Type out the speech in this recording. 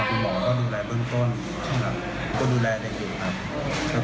แล้วคุณหมอก็ดูแลเบื้องต้นก็ดูแลเด็กอยู่ครับ